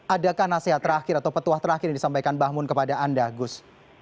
adakah nasihat terakhir atau petua terakhir yang disampaikan bahmun kepada anda gus